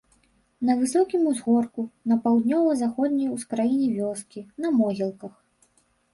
На высокім узгорку, на паўднёва-заходняй ускраіне вёскі, на могілках.